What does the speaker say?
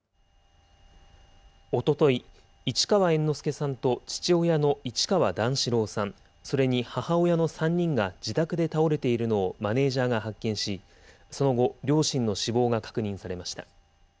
おととい、市川猿之助さんと父親の市川段四郎さん、それに母親の３人が自宅で倒れているのをマネージャーが発見し、その後、両親の死亡が確認されました。